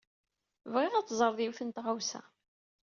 Bɣiɣ ad teẓreḍ yiwet n tɣawsa.